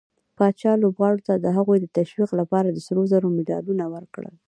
پاچا لوبغارو ته د هغوي د تشويق لپاره د سروزرو مډالونه ورکړل.